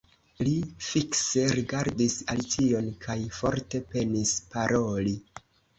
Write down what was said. Li fikse rigardis Alicion kaj forte penis paroli.